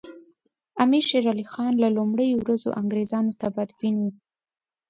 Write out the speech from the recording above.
امیر شېر علي خان له لومړیو ورځو انګریزانو ته بدبین وو.